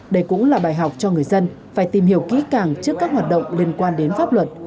đây cũng là bài học cho người dân phải tìm hiểu kỹ càng trước các hoạt động liên quan đến pháp luật